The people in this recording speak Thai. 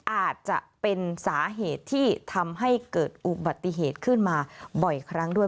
อาจจะเป็นสาเหตุที่ทำให้เกิดอุบัติเหตุขึ้นมาบ่อยครั้งด้วย